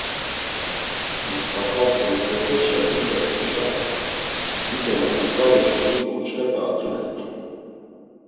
Must̆afa polisepeşa imt̆ert̆uşa dido na igzalu şeni ǩuçxepe atzunert̆u.